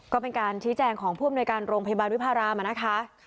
ก็เป็นการชี้แจงของผู้อำนวยการโรงพยาบาลวิพารามนะคะ